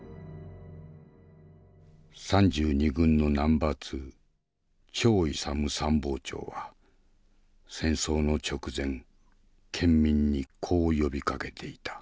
３２軍のナンバーツー長勇参謀長は戦争の直前県民にこう呼びかけていた。